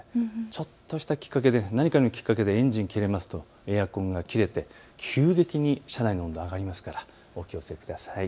ちょっとしたきっかけで、何かのきっかけでエンジンが切れるとエアコンも切れて急激に車内の温度が上がりますので気をつけてください。